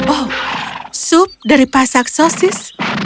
oh sup dari pasak sosis